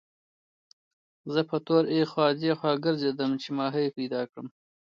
زه په تور اخوا دېخوا ګرځېدم چې ماهي پیدا کړم.